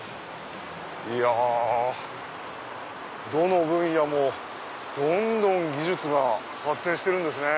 いやどの分野も技術が発展してるんですね。